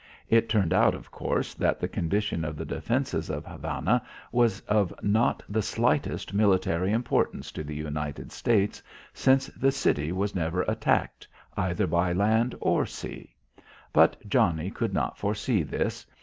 It turned out, of course, that the condition of the defences of Havana was of not the slightest military importance to the United States since the city was never attacked either by land or sea. But Johnnie could not foresee this.